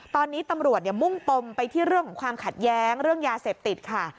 ตอนนี้ตำรวจมุ่งปมไปที่เรื่องของความขัดแย้งเรื่องยาเสพติดค่ะ